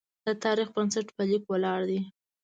د تاریخ بنسټ په لیک ولاړ دی.